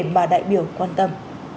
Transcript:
mà đại biểu quan tâm